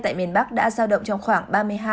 tại miền bắc đã giao động trong khoảng